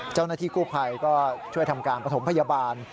เจ้าหน้าที่กู้ภัยก็ช่วยทำการประถมพยาบาล